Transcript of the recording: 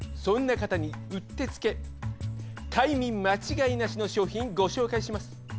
そんな方にうってつけ快眠間違いなしの商品ご紹介します。